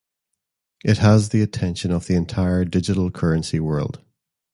It has the attention of the entire digital currency world.